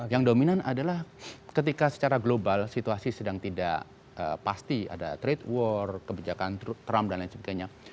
yang dominan adalah ketika secara global situasi sedang tidak pasti ada trade war kebijakan trump dan lain sebagainya